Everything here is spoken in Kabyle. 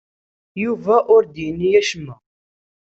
Yuba ur d-yenni acemma.